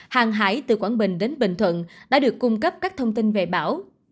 hàng hải từ quảng bình đến bình thuận đã được cung cấp các thông tin về bão